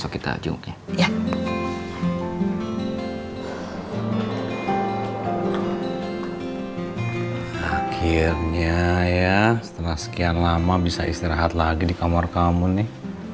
karena sekian lama bisa istirahat lagi di kamar kamu nih